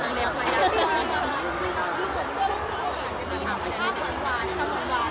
อย่างนี้ก็คุ้งไปต้องบอกแล้วสถานการณ์คืออะไร